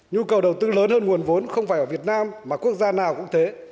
nhu cầu đầu tư lớn hơn nguồn vốn không phải ở việt nam mà quốc gia nào cũng thế